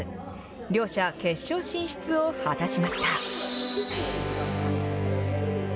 両者、決勝進出を果たしました。